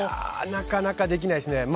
なかなかできないですね。